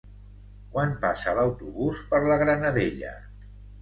Quan passa l'autobús per la Granadella?